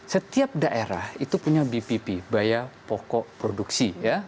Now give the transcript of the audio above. setiap daerah itu punya bpp biaya pokok produksi